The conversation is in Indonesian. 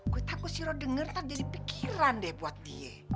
gue takut siro denger tak jadi pikiran deh buat dia